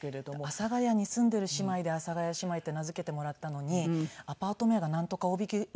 阿佐ヶ谷に住んでいる姉妹で阿佐ヶ谷姉妹って名づけてもらったのにアパート名がなんとか荻窪じゃね